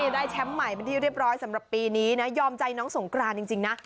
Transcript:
ได้แชมป์ใหม่เป็นที่เรียบร้อยสำหรับปีนี้นะยอมใจน้องสงกรานจริงนะ